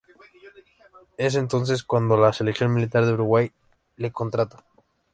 Es entonces, cuando la Selección Militar de Uruguay le contrata.